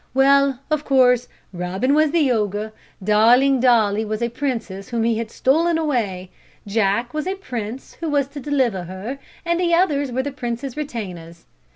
Well, of course, Robin was the ogre, darling Dolly was a princess whom he had stolen away, Jack was a prince who was to deliver her, and the others were the prince's retainers.